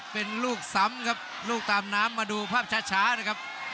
เป็นลูกซ้ำครับลูกตามน้ำมาดูภาพช้านะครับ